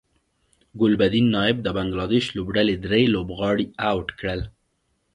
ګلبدین نایب د بنګلادیش لوبډلې درې لوبغاړي اوټ کړل